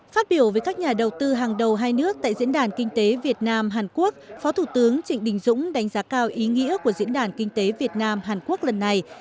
phát biểu với các nhà đầu tư hàng đầu hai nước tại diễn đàn kinh tế việt nam hàn quốc phó thủ tướng trịnh đình dũng đánh giá cao ý nghĩa của diễn đàn kinh tế việt nam hàn quốc lần này